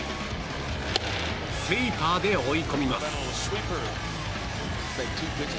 スイーパーで追い込みます。